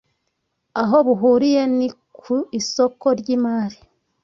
aho buhuriye ni ku isoko ry’imari